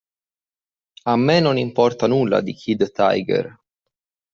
A me non importa nulla di Kid Tiger!